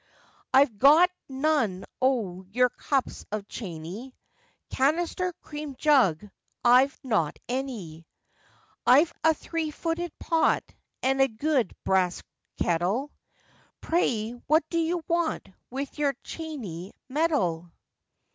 'I've got none o' your cups of Chaney, Canister, cream jug, I've not any; I've a three footed pot and a good brass kettle, Pray what do you want with your Chaney mettle?